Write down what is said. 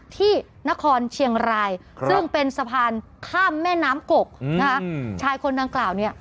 ที่นครเชียงรายซึ่งเป็นสะพานข้ามแม่น้ำกกนะคะชายคนดังกล่าวเนี่ย